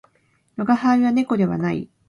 我が輩は猫ではない